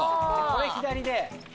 これ左で。